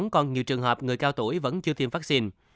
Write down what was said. còn nhiều trường hợp người cao tuổi vẫn chưa tiêm vaccine